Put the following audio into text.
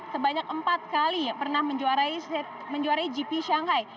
sebanyak empat kali pernah menjuarai gp shanghai